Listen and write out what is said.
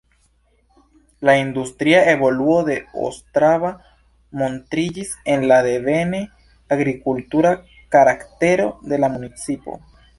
La industria evoluo de Ostrava montriĝis en la devene agrikultura karaktero de la municipo.